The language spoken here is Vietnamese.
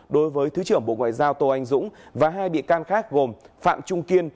đối với thứ trưởng bộ ngoại giao tô anh dũng và hai bị can khác gồm phạm trung kiên